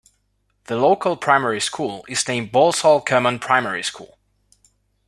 The local primary school is named Balsall Common Primary School.